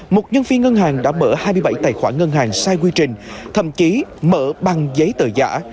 một nhân viên ngân hàng đã mở hai mươi bảy tài khoản ngân hàng sai quy trình thậm chí mở bằng giấy tờ giả